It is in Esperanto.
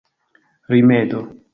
rimedo